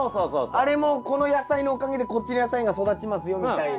あれもこの野菜のおかげでこっちの野菜が育ちますよみたいな。